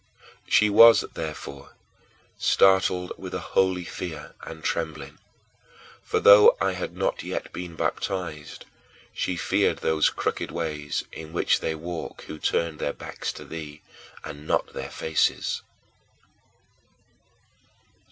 She was, therefore, startled with a holy fear and trembling: for though I had not yet been baptized, she feared those crooked ways in which they walk who turn their backs to thee and not their faces.